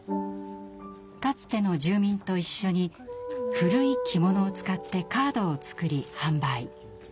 かつての住民と一緒に古い着物を使ってカードを作り販売。